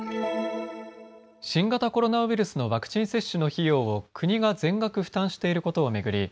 新型コロナウイルスのワクチン接種の費用を国が全額負担していることを巡り